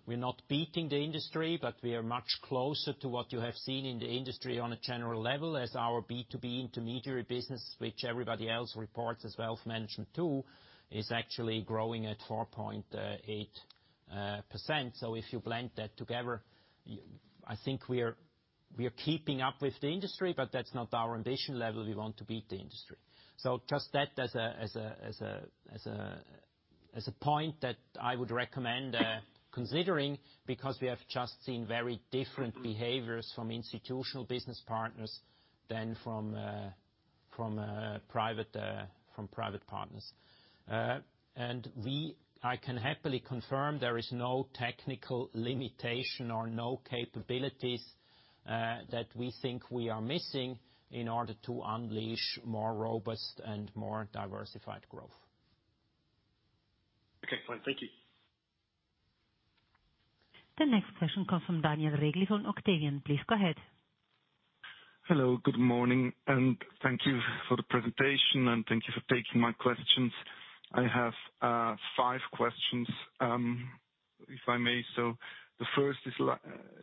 not beating the industry, but we are much closer to what you have seen in the industry on a general level as our B2B intermediary business, which everybody else reports as wealth management too, is actually growing at 4.8%. If you blend that together, I think we are keeping up with the industry, but that's not our ambition level. We want to beat the industry. Just that as a point that I would recommend considering because we have just seen very different behaviors from institutional business partners than from private partners. I can happily confirm there is no technical limitation or no capabilities that we think we are missing in order to unleash more robust and more diversified growth. Okay, fine. Thank you. The next question comes from Daniel Regli from Octavian. Please go ahead. Hello, good morning. Thank you for the presentation, and thank you for taking my questions. I have five questions, if I may. The first is a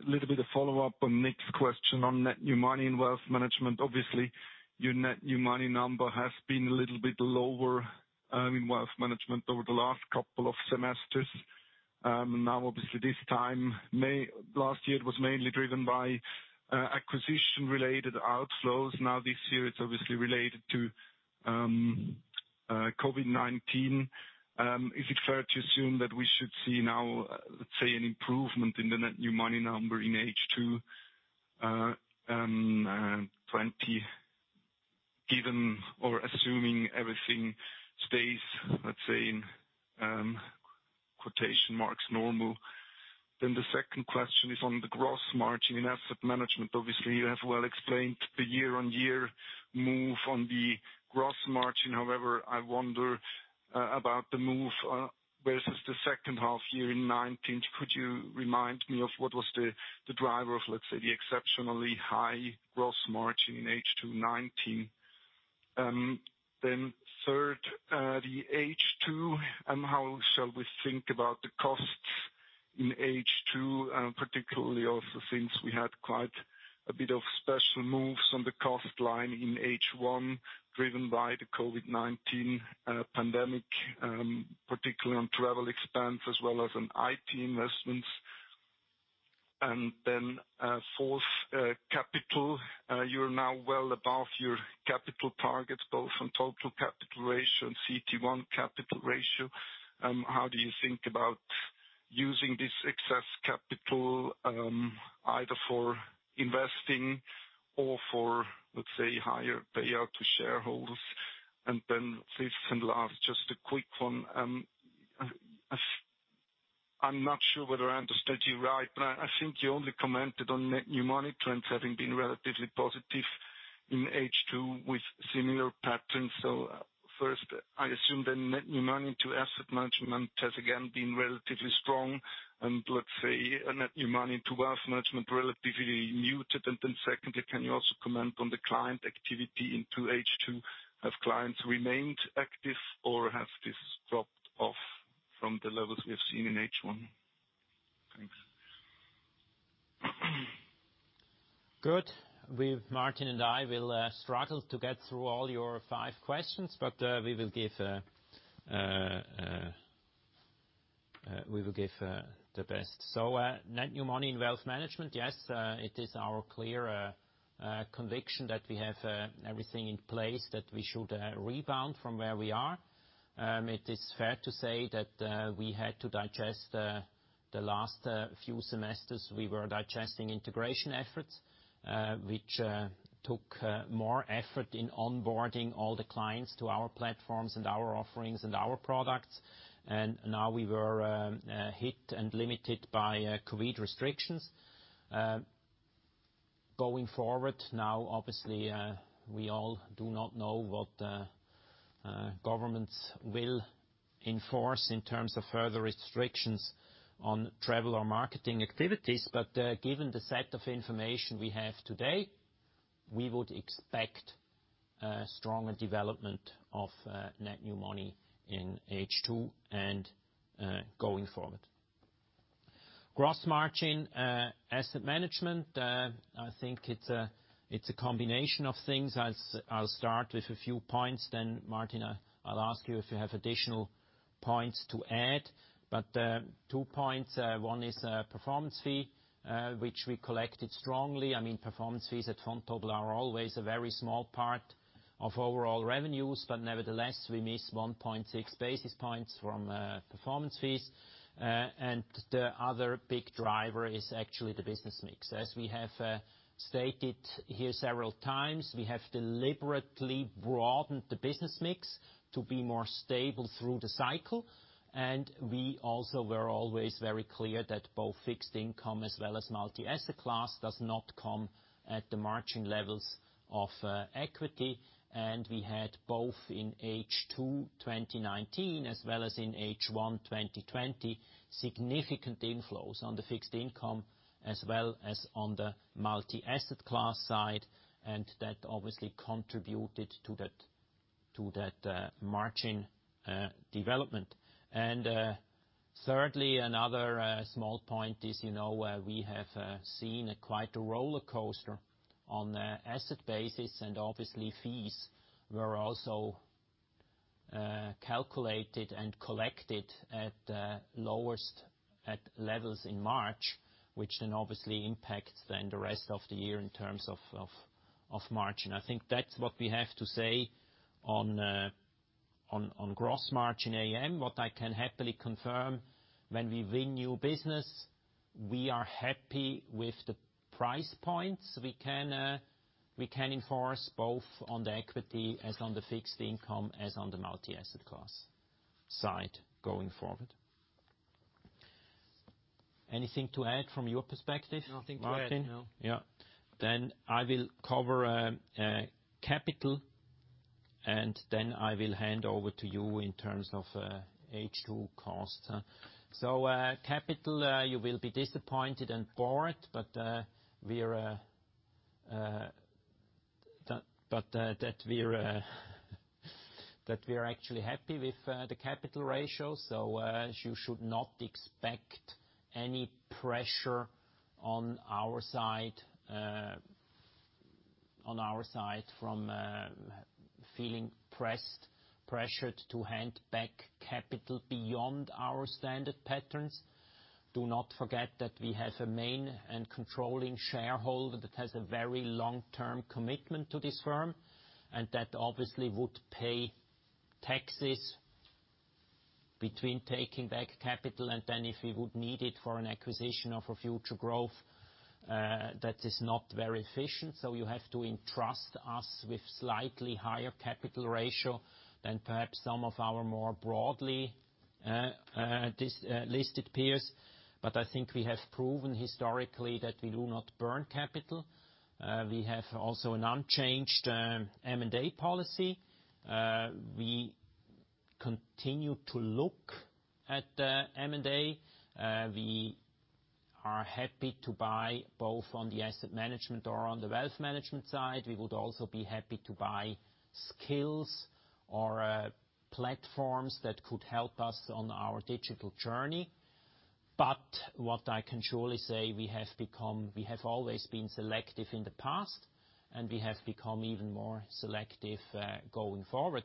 little bit of follow-up on Nick's question on net new money and wealth management. Obviously, your net new money number has been a little bit lower in wealth management over the last couple of semesters. Obviously, this time, last year it was mainly driven by acquisition-related outflows. This year it's obviously related to COVID-19. Is it fair to assume that we should see now, let's say, an improvement in the net new money number in H2 2020, given or assuming everything stays, let's say "normal." The second question is on the gross margin in asset management. Obviously, you have well explained the year-on-year move on the gross margin. I wonder about the move versus the second half year in 2019. Could you remind me of what was the driver of, let's say, the exceptionally high gross margin in H2 2019? Third, the H2, how shall we think about the costs in H2, particularly also since we had quite a bit of special moves on the cost line in H1 driven by the COVID-19 pandemic, particularly on travel expense as well as on IT investments? Fourth, capital. You're now well above your capital targets, both on total capital ratio and CET1 capital ratio. How do you think about using this excess capital, either for investing or for, let's say, higher payout to shareholders? Fifth and last, just a quick one. I'm not sure whether I understood you right, but I think you only commented on net new money trends having been relatively positive in H2 with similar patterns. First, I assume the net new money to asset management has again been relatively strong, and let's say net new money to wealth management, relatively muted. Secondly, can you also comment on the client activity into H2? Have clients remained active or has this dropped off from the levels we have seen in H1? Thanks. Good. Martin and I will struggle to get through all your five questions. We will give the best. Net new money in wealth management, yes, it is our clear conviction that we have everything in place that we should rebound from where we are. It is fair to say that we had to digest the last few semesters. We were digesting integration efforts, which took more effort in onboarding all the clients to our platforms and our offerings and our products. Now we were hit and limited by COVID restrictions. Going forward now, obviously, we all do not know what Governments will enforce in terms of further restrictions on travel or marketing activities. Given the set of information we have today, we would expect a stronger development of net new money in H2 and going forward. Gross margin asset management, I think it's a combination of things. I'll start with a few points, then Martin, I'll ask you if you have additional points to add. Two points, one is performance fee, which we collected strongly. Performance fees at Vontobel are always a very small part of overall revenues, but nevertheless, we miss 1.6 basis points from performance fees. The other big driver is actually the business mix. As we have stated here several times, we have deliberately broadened the business mix to be more stable through the cycle. We also were always very clear that both fixed income as well as multi-asset class does not come at the margin levels of equity. We had both in H2 2019 as well as in H1 2020, significant inflows on the fixed income as well as on the multi-asset class side, and that obviously contributed to that margin development. Thirdly, another small point is, we have seen quite a roller coaster on asset basis, and obviously fees were also calculated and collected at lowest levels in March, which obviously impacts the rest of the year in terms of margin. I think that's what we have to say on gross margin AUM. What I can happily confirm, when we win new business, we are happy with the price points. We can enforce both on the equity as on the fixed income as on the multi-asset class side going forward. Anything to add from your perspective? Nothing to add, no. Yeah. I will cover capital, and I will hand over to you in terms of H2 costs. Capital, you will be disappointed and bored, but that we are actually happy with the capital ratio. You should not expect any pressure on our side from feeling pressured to hand back capital beyond our standard patterns. Do not forget that we have a main and controlling shareholder that has a very long-term commitment to this firm, and that obviously would pay taxes between taking back capital and then if we would need it for an acquisition of a future growth, that is not very efficient. You have to entrust us with slightly higher capital ratio than perhaps some of our more broadly listed peers. I think we have proven historically that we do not burn capital. We have also an unchanged M&A policy. We continue to look at M&A. We are happy to buy both on the asset management or on the wealth management side. We would also be happy to buy skills or platforms that could help us on our digital journey. What I can surely say, we have always been selective in the past, and we have become even more selective going forward.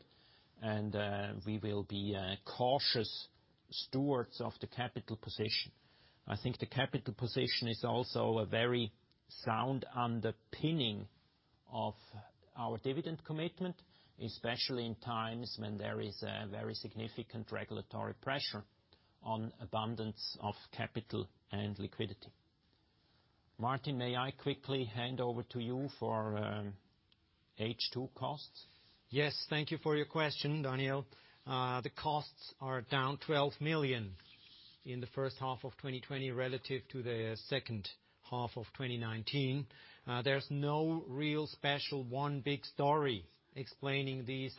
We will be cautious stewards of the capital position. I think the capital position is also a very sound underpinning of our dividend commitment, especially in times when there is a very significant regulatory pressure on abundance of capital and liquidity. Martin, may I quickly hand over to you for H2 costs? Yes. Thank you for your question, Daniel. The costs are down 12 million in the first half of 2020 relative to the second half of 2019. There's no real special one big story explaining these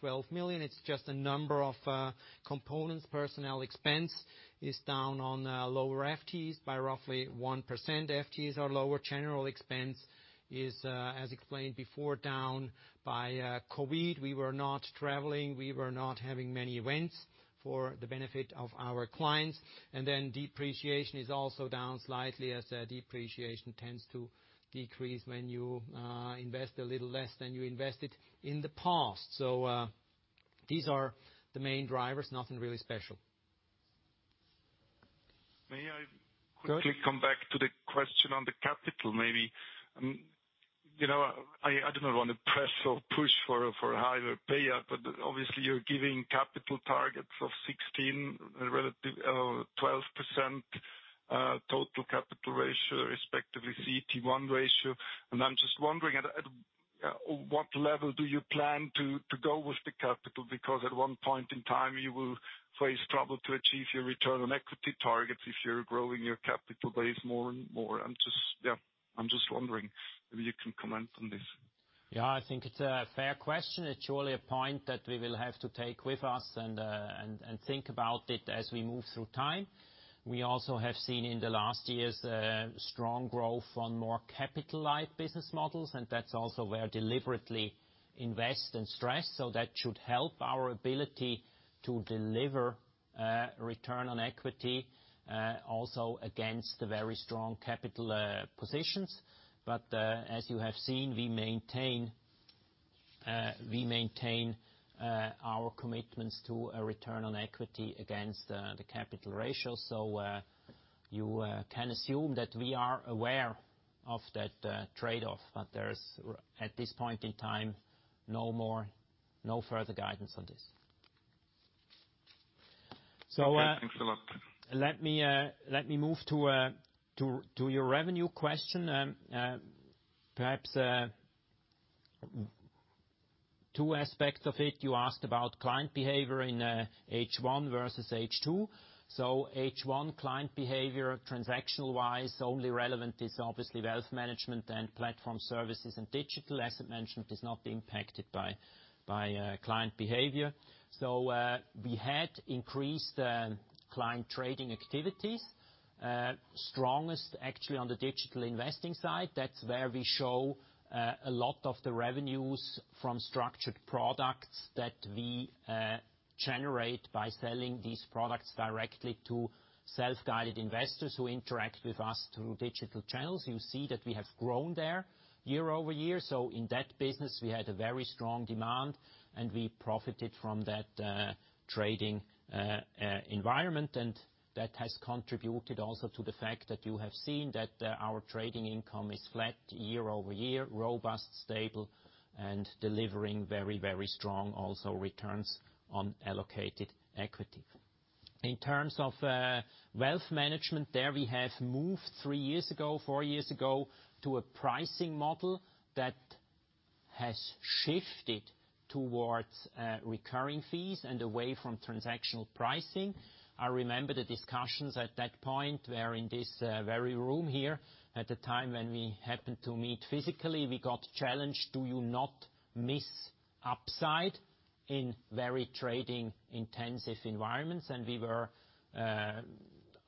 12 million. It's just a number of components. Personnel expense is down on lower FTEs by roughly 1%. FTEs are lower. General expense is, as explained before, down by COVID. We were not traveling. We were not having many events for the benefit of our clients. Depreciation is also down slightly as depreciation tends to decrease when you invest a little less than you invested in the past. These are the main drivers, nothing really special. May I quickly come back to the question on the capital, maybe? I do not want to press or push for a higher payout, but obviously you're giving capital targets of 12% total capital ratio, respectively, CET1 ratio. I'm just wondering, at what level do you plan to go with the capital? Because at one point in time, you will face trouble to achieve your return on equity targets if you're growing your capital base more and more. I'm just wondering if you can comment on this. Yeah, I think it's a fair question. It's surely a point that we will have to take with us and think about it as we move through time. We also have seen in the last years, strong growth on more capitalized business models, and that's also where deliberately invest and stress. That should help our ability to deliver return on equity, also against the very strong capital positions. As you have seen, we maintain our commitments to a return on equity against the capital ratio. You can assume that we are aware of that trade-off. There's, at this point in time, no further guidance on this. Okay. Thanks a lot. Let me move to your revenue question. Perhaps two aspects of it. You asked about client behavior in H1 versus H2. H1 client behavior, transactional-wise, only relevant is obviously wealth management and platform services. Digital, as I mentioned, is not impacted by client behavior. We had increased client trading activities. Strongest actually on the digital investing side. That's where we show a lot of the revenues from structured products that we generate by selling these products directly to self-guided investors who interact with us through digital channels. You see that we have grown there year-over-year. In that business, we had a very strong demand, and we profited from that trading environment. That has contributed also to the fact that you have seen that our trading income is flat year-over-year, robust, stable, and delivering very strong also returns on allocated equity. In terms of wealth management, there we have moved three years ago, four years ago, to a pricing model that has shifted towards recurring fees and away from transactional pricing. I remember the discussions at that point were in this very room here. At the time when we happened to meet physically, we got challenged, do you not miss upside in very trading-intensive environments? We were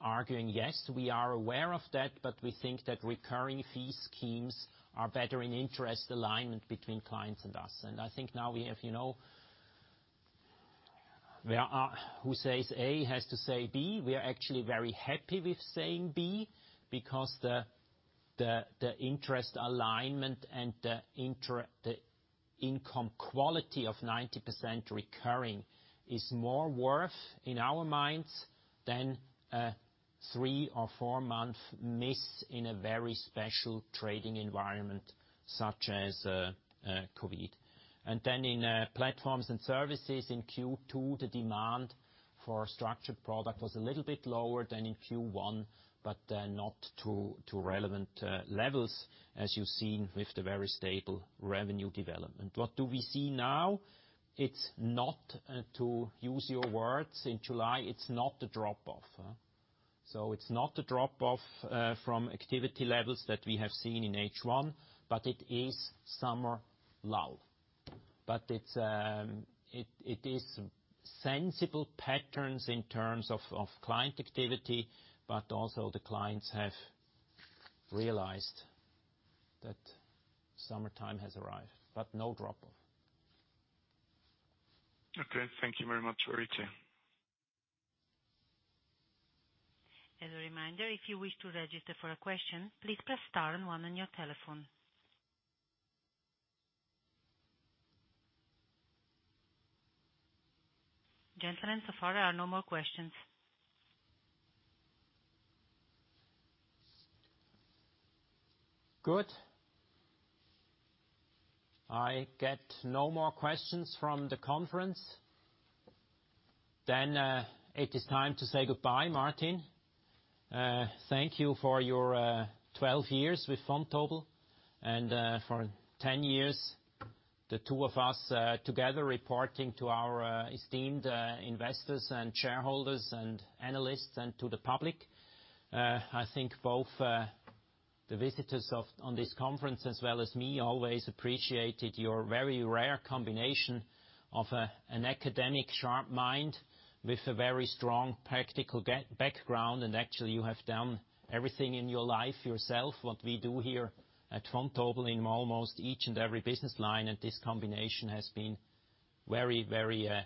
arguing, yes, we are aware of that, but we think that recurring fee schemes are better in interest alignment between clients and us. I think now who says A has to say B? We are actually very happy with saying B, because the interest alignment and the income quality of 90% recurring is more worth, in our minds, than a three or four-month miss in a very special trading environment such as COVID. In platforms and services in Q2, the demand for structured product was a little bit lower than in Q1, but not to relevant levels as you've seen with the very stable revenue development. What do we see now? To use your words, in July, it's not a drop-off. It's not a drop-off from activity levels that we have seen in H1, but it is summer lull. It is sensible patterns in terms of client activity, but also the clients have realized that summertime has arrived, but no drop-off. Okay. Thank you very much to you two. As a reminder, if you wish to register for a question, please press star and one on your telephone. Gentlemen, so far there are no more questions. Good. I get no more questions from the conference. It is time to say goodbye, Martin. Thank you for your 12 years with Vontobel and for 10 years, the two of us together reporting to our esteemed investors and shareholders and analysts and to the public. I think both the visitors on this conference, as well as me, always appreciated your very rare combination of an academic sharp mind with a very strong practical background. Actually, you have done everything in your life yourself, what we do here at Vontobel in almost each and every business line. This combination has been very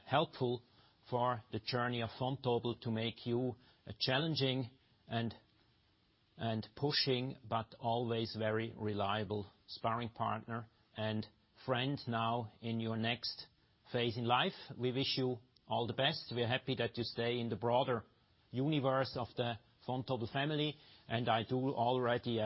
helpful for the journey of Vontobel to make you a challenging and pushing, but always very reliable sparring partner and friend now. In your next phase in life, we wish you all the best. We are happy that you stay in the broader universe of the Vontobel family, and I do already,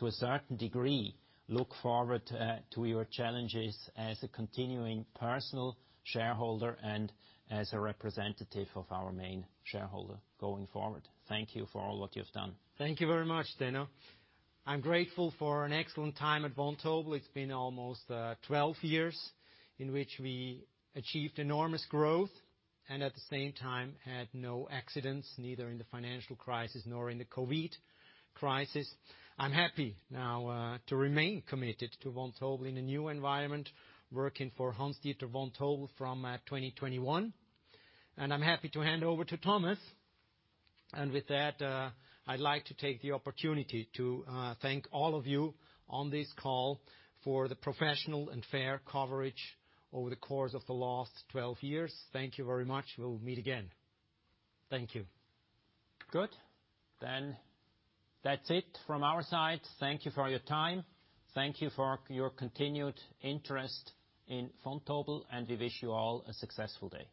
to a certain degree, look forward to your challenges as a continuing personal shareholder and as a representative of our main shareholder going forward. Thank you for all what you've done. Thank you very much, Zeno. I'm grateful for an excellent time at Vontobel. It's been almost 12 years in which we achieved enormous growth and at the same time had no accidents, neither in the financial crisis nor in the COVID crisis. I'm happy now to remain committed to Vontobel in a new environment, working for Hans-Dieter Vontobel from 2021. I'm happy to hand over to Thomas. With that, I'd like to take the opportunity to thank all of you on this call for the professional and fair coverage over the course of the last 12 years. Thank you very much. We'll meet again. Thank you. Good. That's it from our side. Thank you for your time. Thank you for your continued interest in Vontobel. We wish you all a successful day.